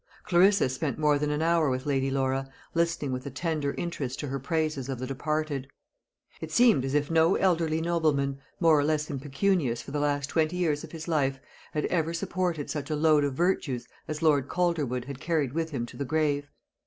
Clarissa spent more than an hour with Lady Laura, listening with a tender interest to her praises of the departed. It seemed as if no elderly nobleman more or less impecunious for the last twenty years of his life had ever supported such a load of virtues as Lord Calderwood had carried with him to the grave.